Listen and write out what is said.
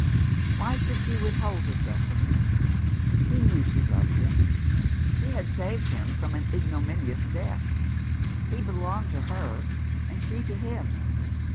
Why should she withhold herself from him ? He knew she loved him. She had saved him from an ignominious death. He be longed to her, and she to him.